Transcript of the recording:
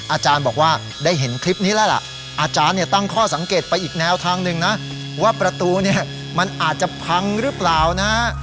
อาจารย์บอกว่าได้เห็นคลิปนี้แล้วล่ะอาจารย์เนี่ยตั้งข้อสังเกตไปอีกแนวทางหนึ่งนะว่าประตูเนี่ยมันอาจจะพังหรือเปล่านะ